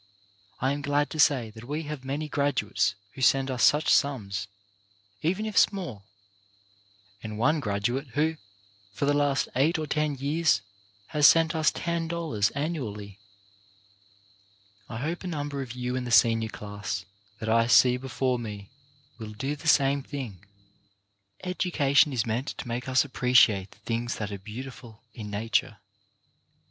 I am glad to say that we have many graduates who send us such sums, even if small, and one graduate who for the last eight or ten years has sent us ten ^dollars annually. I hope a number of you in the senior class that I see before me will do the same thing. Education is meant to make us appreciate the things that are beautiful in nature.